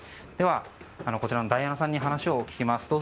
では、こちらのダイアナさんに話を聞きます。